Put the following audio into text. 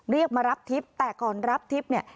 เรียกมารับทิพย์แต่ก่อนรับทิพย์เนี่ย